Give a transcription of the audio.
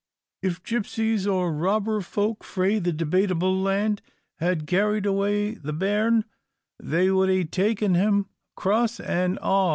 If gipsies, or robber folk frae the Debatable Land, had carried away the bairn, they would hae taken him, cross and a'.